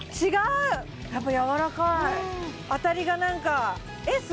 うやっぱやわらかい当たりがなんかえっ